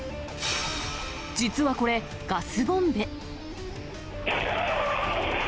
実はこれ、ガスボンベ。